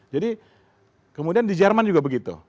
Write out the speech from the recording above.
jadi kemudian di jerman juga begitu